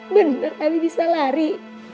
bener abi bisa lari